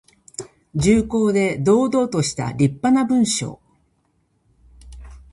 重厚で堂々としたりっぱな文章。